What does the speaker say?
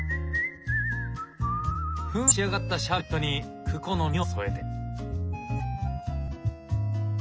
ふんわり仕上がったシャーベットにクコの実を添えて。